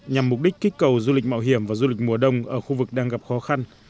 nhằm mục đích kích cầu du lịch mạo hiểm và du lịch mùa đông ở khu vực đang gặp khó khăn